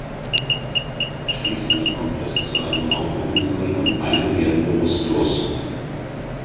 Schließlich kommt es zu einem Autounfall, und beide werden bewusstlos.